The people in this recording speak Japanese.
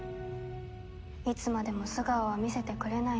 いつまでも素顔を見せてくれないし。